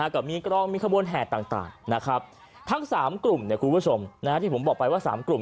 ก็มีกล้องมีขบวนแห่งต่างทั้ง๓กลุ่มที่ผมบอกไปว่า๓กลุ่ม